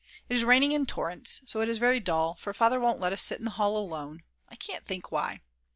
It is raining in torrents, so it is very dull, for Father won't let us sit in the hall alone; I can't think why.